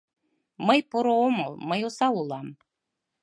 Мый поро омыл, мый осал улам.